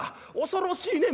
恐ろしいね